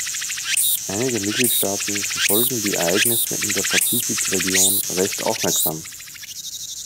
Einige Mitgliedstaaten verfolgen die Ereignisse in der Pazifikregion recht aufmerksam.